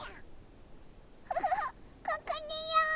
フフフここだよ。